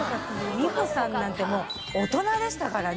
美穂さんなんてもう大人でしたからね。